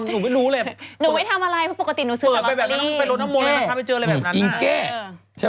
คุณหมอโดนกระช่าคุณหมอโดนกระช่า